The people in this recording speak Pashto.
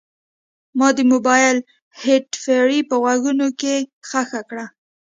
ما د موبایل هینډفري په غوږونو کې ښخه کړه.